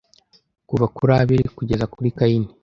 kuva kuri abeli kugeza kuri kayini